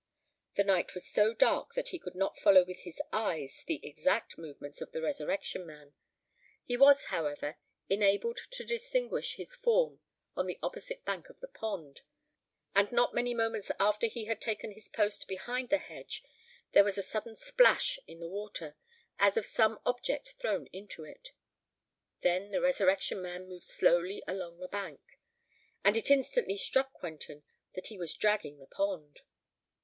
The night was so dark that he could not follow with his eyes the exact movements of the Resurrection Man. He was, however, enabled to distinguish his form on the opposite bank of the pond; and not many moments after he had taken his post behind the hedge, there was a sudden splash in the water, as of some object thrown into it. Then the Resurrection Man moved slowly along the bank; and it instantly struck Quentin that he was dragging the pond.